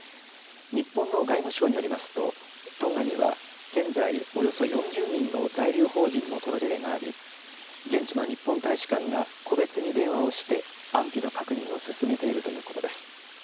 日本の外務省によりますと、トンガには現在およそ４０人の在留邦人の届け出があり、現地の日本大使館が個別に電話をして、安否の確認を進めているということです。